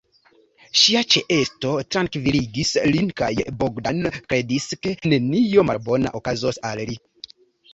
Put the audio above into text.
Ŝia ĉeesto trankviligis lin kaj Bogdan kredis, ke nenio malbona okazos al li.